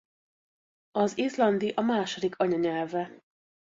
Az izlandi a második anyanyelve.